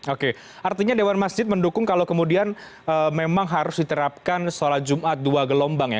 oke artinya dewan masjid mendukung kalau kemudian memang harus diterapkan sholat jumat dua gelombang ya